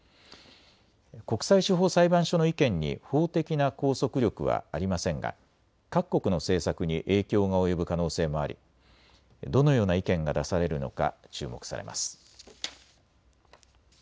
国際司法裁判所の意見に法的な拘束力はありませんが各国の政策に影響が及ぶ可能性もありどのような意見が出されるのか注目されます。